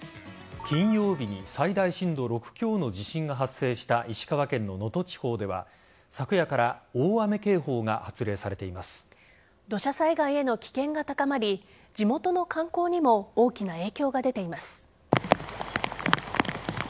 金曜日に最大震度６強の地震が発生した石川県の能登地方では昨夜から土砂災害への危険が高まり地元の観光にも大きな影響が出ています。